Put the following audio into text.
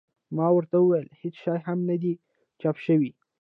ما ورته وویل هېڅ شی هم نه دي چاپ شوي.